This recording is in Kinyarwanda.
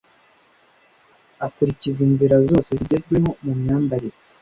Akurikiza inzira zose zigezweho mu myambarire.